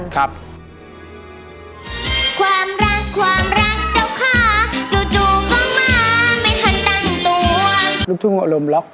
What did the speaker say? ความรักความรักเจ้าข่าวจู่ก็มาไม่ทันตังตัว